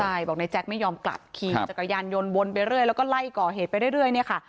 ใช่บอกในแจ๊คไม่ยอมกลับขี่จักรยานยนต์ยนต์วนไปเรื่อยเรื่อยแล้วก็ไล่ก่อเหตุไปเรื่อยเรื่อยเนี่ยค่ะ